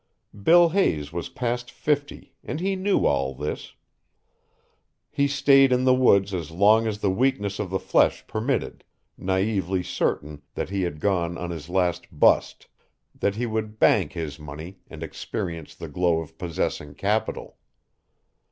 Bill Hayes was past fifty, and he knew all this. He stayed in the woods as long as the weakness of the flesh permitted, naively certain that he had gone on his last "bust", that he would bank his money and experience the glow of possessing capital.